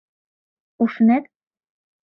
УШНЕТ?